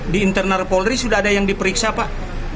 di internal polri sudah ada yang diperiksa pak